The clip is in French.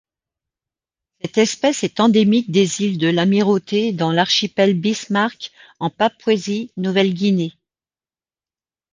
Cette espèce est endémique des îles de l'Amirauté dans l'archipel Bismarck en Papouasie-Nouvelle-Guinée.